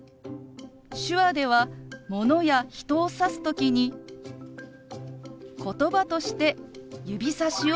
手話ではものや人を指す時にことばとして指さしを使います。